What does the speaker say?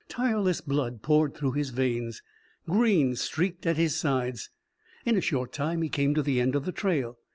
Tireless blood poured through his veins. Green streaked at his sides. In a short time he came to the end of the trail.